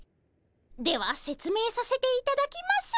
ではせつめいさせていただきます。